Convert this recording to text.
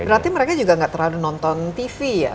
berarti mereka juga nggak terlalu nonton tv ya